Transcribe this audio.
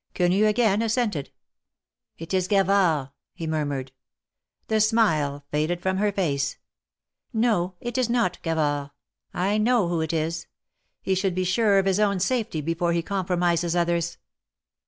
Quenu again assented. ^Mt is Gavard," he murmured. The smile faded from her face. No ; it is not Gavard. I know who it is. He THE MARKETS OF PARIS. 181 s])ould be surer of his own safety before he compromises others.